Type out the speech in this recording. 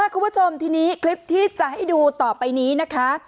คุณผู้ชมทีนี้คลิปที่จะให้ดูต่อไปนี้นะคะ